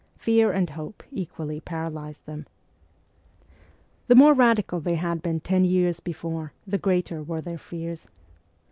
Fear and hope equally paralysed them. The more radical they had been ten years before, the greater were their fears.